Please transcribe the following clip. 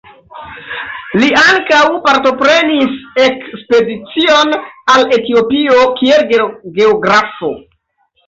Li ankaŭ partoprenis ekspedicion al Etiopio kiel geografo.